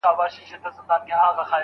چي بېزاره له تعلیم او له کمال وي